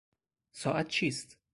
ساعت چیست؟